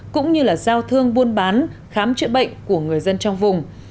cũng như là giao thương buôn bán khám chữa bệnh của người dân trong vùng